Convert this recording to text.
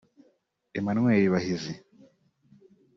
Emmanuel Bahizi